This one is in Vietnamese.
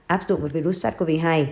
áp dụng vào virus sars cov hai